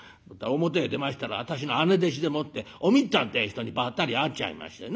「表へ出ましたら私の姉弟子でもっておみっつぁんってえ人にばったり会っちゃいましてね